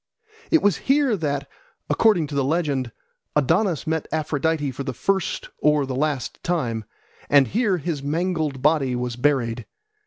It was here that, according to the legend, Adonis met Aphrodite for the first or the last time, and here his mangled body was buried.